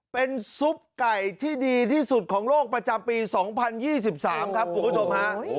เป็นซุปไก่ที่ดีที่สุดของโลกประจำปี๒๐๒๓ครับคุณผู้ชมฮะ